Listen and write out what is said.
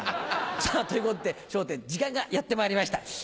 さぁということで『笑点』時間がやってまいりました。